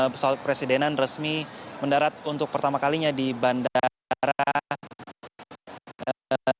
pesawat kepresidenan resmi mendarat untuk pertama kalinya di bandara internasional jawa barat